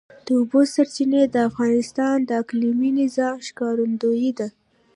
د اوبو سرچینې د افغانستان د اقلیمي نظام ښکارندوی ده.